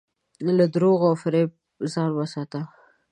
له دروغو او فریب ځان وساته.